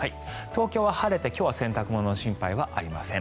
東京は晴れて今日は洗濯物の心配はありません。